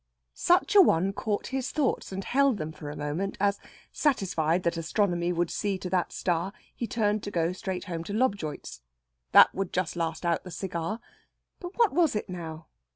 Such a one caught his thoughts, and held them for a moment as, satisfied that astronomy would see to that star, he turned to go straight home to Lobjoit's. That would just last out the cigar. But what was it now?